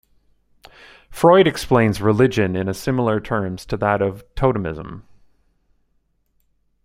Freud explains religion in a similar term to that of totemism.